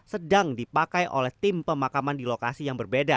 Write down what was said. sedang dipakai oleh tim pemakaman di lokasi yang berbeda